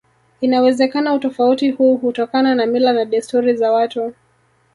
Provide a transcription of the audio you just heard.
Inawezekana utofauti huu hutokana na mila na desturi za watu